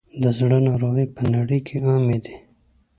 د زړه ناروغۍ په نړۍ کې عامې دي.